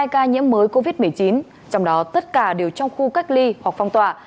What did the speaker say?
hai ca nhiễm mới covid một mươi chín trong đó tất cả đều trong khu cách ly hoặc phong tỏa